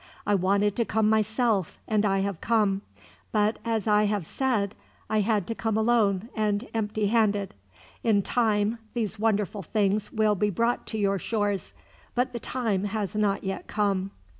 I wanted to come myself, and I have come; but as I have said, I had to come alone and empty handed. In time these wonderful things will be brought to your shores, but the time has not come yet."